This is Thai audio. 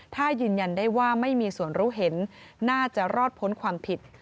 ถ้ายืนยันได้ว่าไม่มีส่วนรู้เห็นน่าจะรอดพ้นความผิด